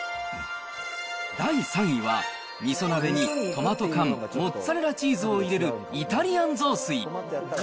第３位は、みそ鍋にトマト缶、モッツァレラチーズを入れるイタリアン雑炊。